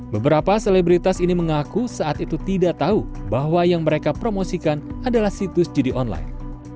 beberapa selebritas ini mengaku saat itu tidak tahu bahwa yang mereka promosikan adalah situs judi online